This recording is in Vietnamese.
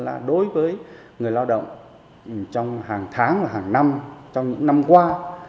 là đối với người lao động trong hàng tháng và hàng năm trong những năm qua